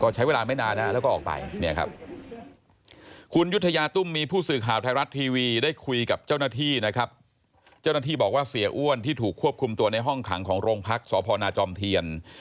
ซึ่งพี่กลับมาสายแระน่นดิที่จะถึงห้องพุทธงหังของโรงพักษณ์สพนจเทียน